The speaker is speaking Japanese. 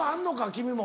君も。